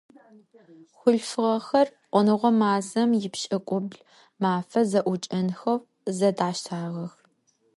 Хъулъфыгъэхэр Ӏоныгъо мазэм ипшӏыкӏубл мафэ зэӏукӏэнхэу зэдаштагъэх.